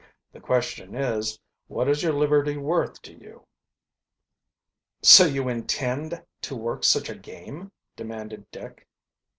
The question is, what is your liberty worth to you?" "So you intend to work such a game?" demanded Dick.